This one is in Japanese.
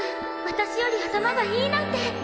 私より頭がいいなんて。